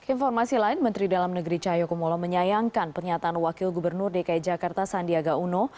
informasi lain menteri dalam negeri cahayokumolo menyayangkan pernyataan wakil gubernur dki jakarta sandiaga uno